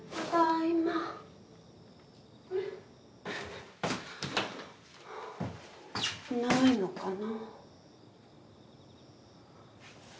いないのかな？